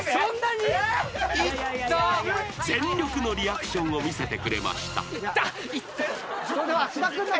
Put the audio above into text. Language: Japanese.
［全力のリアクションを見せてくれました］